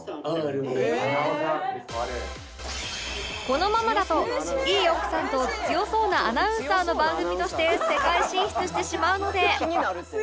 このままだといい奥さんと強そうなアナウンサーの番組として世界進出してしまうので